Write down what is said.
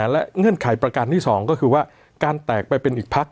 และเงื่อนไขประการที่๒ก็คือว่าการแตกไปเป็นอีกพัก